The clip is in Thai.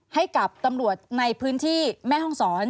ให้กับตำรวจในพื้นที่แม่ห้องศร